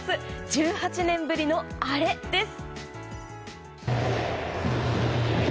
１８年ぶりのアレです。